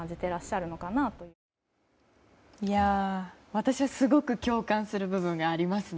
私はすごく共感する部分がありますね。